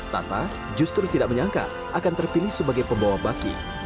tata justru tidak menyangka akan terpilih sebagai pembawa baki